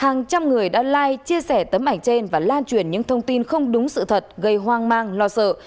hàng trăm người đã lai chia sẻ tấm ảnh trên và lan truyền những thông tin không đúng sự thật gây hoang mang lo sợ